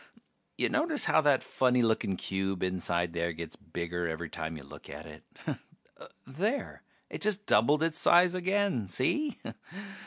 Ya notice how that funny looking cube inside there gets bigger every time you look at it? There ... it just doubled its size again, see?